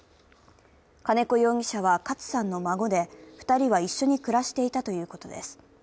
金子容疑者はカツさんの孫で２人は一緒に暮らしていたということです。